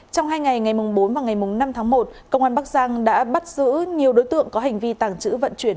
trong hai ngày ngày bốn và ngày năm tháng một công an bắc giang đã bắt giữ nhiều đối tượng có hành vi tàng trữ vận chuyển